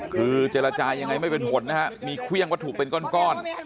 คือเจรจายังไงไม่เป็นผลนะฮะมีเครื่องวัตถุเป็นก้อน